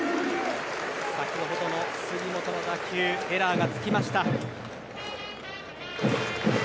先ほどの杉本の打球エラーがつきました。